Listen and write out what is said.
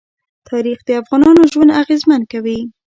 تاریخ د افغانانو ژوند اغېزمن کوي.